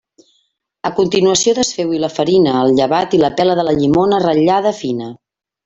A continuació, desfeu-hi la farina, el llevat i la pela de la llimona ratllada fina.